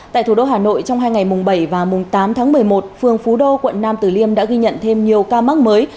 tại thủ đô hà nội trong hai ngày mùng bảy và mùng tám tháng một mươi một phường phú đô quận nam tử liêm đã ghi nhận thêm nhiều ca mắc mới